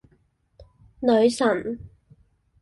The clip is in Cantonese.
女神